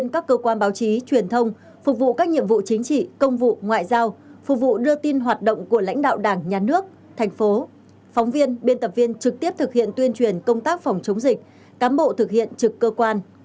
cụ đưa tin hoạt động của lãnh đạo đảng nhà nước thành phố phóng viên biên tập viên trực tiếp thực hiện tuyên truyền công tác phòng chống dịch cám bộ thực hiện trực cơ quan